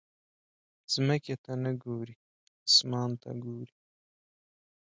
ځمکې ته نه ګورې، اسمان ته ګورې.